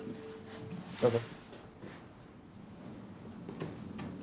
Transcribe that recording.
どうぞ。